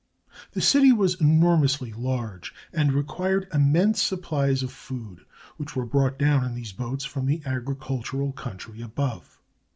The city was enormously large, and required immense supplies of food, which were brought down in these boats from the agricultural country above.